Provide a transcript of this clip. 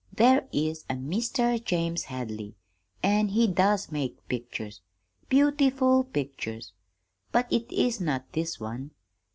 'There is a Meester James Hadley, an' he does make pictures beautiful pictures but it is not this one.